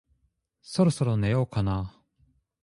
そろそろ寝ようかな